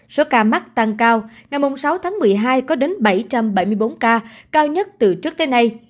số ca mắc tăng cao ngày sáu tháng một mươi hai có đến bảy trăm bảy mươi bốn ca cao nhất từ trước tới nay